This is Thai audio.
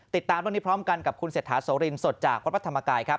ติดตามเรื่องนี้พร้อมกันกับคุณเศรษฐาโสรินสดจากวัดพระธรรมกายครับ